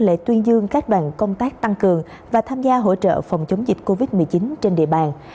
lễ tuyên dương các đoàn công tác tăng cường và tham gia hỗ trợ phòng chống dịch covid một mươi chín trên địa bàn